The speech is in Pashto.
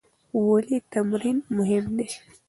ولې تمرین مهم دی؟